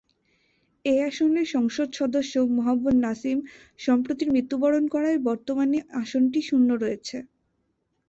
এ আসনের সংসদ সদস্য মোহাম্মদ নাসিম সম্প্রতি মৃত্যুবরণ করায় বর্তমানে আসনটি শূন্য রয়েছে।